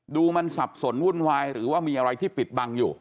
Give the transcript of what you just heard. ดูมันสับสนวุ่นวายหรือว่ามีอะไรที่ปิดบังอยู่